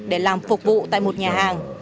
để làm phục vụ tại một nhà hàng